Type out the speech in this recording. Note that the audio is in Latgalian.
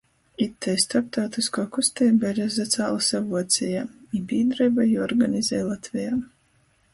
Itei storptautyskuo kusteiba ir izacāluse Vuocejā, i bīdreiba jū organizej Latvejā.